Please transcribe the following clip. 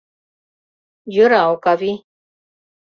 Йӧра, Окавий!..